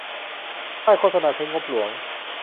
ป้ายโฆษณาใช้งบหลวง